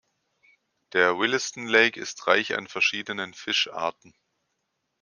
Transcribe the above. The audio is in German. Der Williston Lake ist reich an verschiedenen Fischarten.